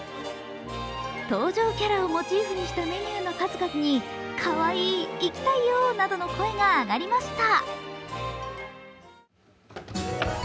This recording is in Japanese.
登場キャラをモチーフにしたメニューの数々にかわいい、行きたいよなどの声が上がりました。